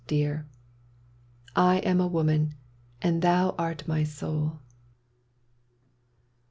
Dear — I am a woman and thou art my soul.